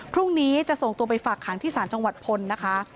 พรุ่งนี้จะส่งตัวไปฝากขังที่ศาลจังหวัดพลนะคะ